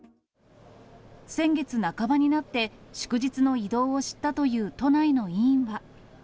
先月半ばになって、祝日の移動を知ったという都内の医院は。